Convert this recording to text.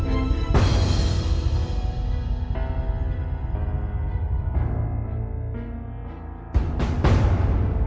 เขาแจ้งความแล้วไหม